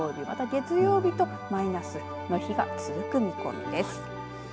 また月曜日とマイナスの日が続く見込みです。